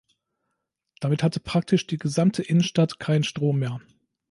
Damit hatte praktisch die gesamte Innenstadt keinen Strom mehr.